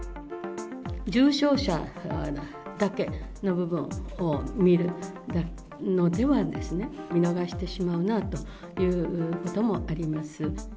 重症者だけの部分を見るのでは、見逃してしまうなというようなこともあります。